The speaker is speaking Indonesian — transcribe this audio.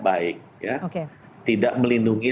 baik tidak melindungi